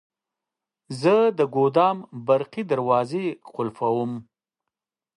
زه د ګودام برقي دروازې قلفووم.